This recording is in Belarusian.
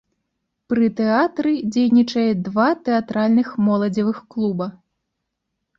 Пры тэатры дзейнічае два тэатральных моладзевых клуба.